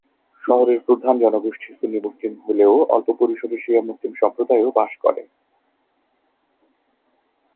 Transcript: শহরের প্রধান জনগোষ্ঠী সুন্নি মুসলিম হলে অল্প পরিসরে শিয়া মুসলিম সম্প্রদায়ও বাস করে।